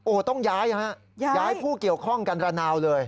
โอ้ต้องย้ายผู้เกี่ยวข้องกันระนาวเลย